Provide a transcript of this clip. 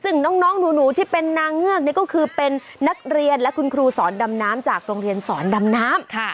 ซึ่งน้องหนูที่เป็นนางเงือกก็คือเป็นนักเรียนและคุณครูสอนดำน้ำจากโรงเรียนสอนดำน้ำ